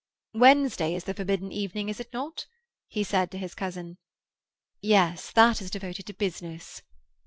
"Wednesday is the forbidden evening, is it not?" he said to his cousin. "Yes, that is devoted to business."